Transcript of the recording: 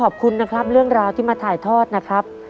ขอบคุณนะครับเรื่องราวที่มาถ่ายทอดนะครับ